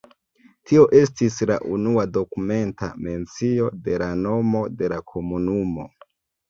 Tio estis la unua dokumenta mencio de la nomo de la komunumo.